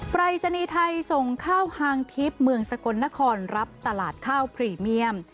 ปรายศนีย์ไทยส่งข้าวฮางทิพย์เมืองสกลนครรับตลาดข้าวพรีเมียม